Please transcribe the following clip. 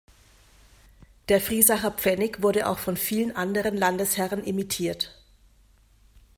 Der Friesacher Pfennig wurde auch von vielen anderen Landesherren imitiert.